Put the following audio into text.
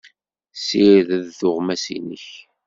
Ssired tuɣmas-nnek.